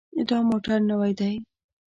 دا موټر نوی دی.